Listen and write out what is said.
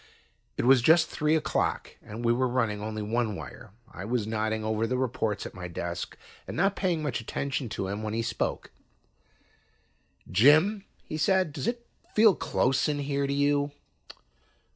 It was just three o'clock and we were running only one wire. I was nodding over the reports at my desk and not paying much attention to him, when he spoke. "Jim," he said, "does it feel close in here to you?"